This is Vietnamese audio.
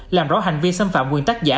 làm rõ hành vi xâm phạm quyền tác giả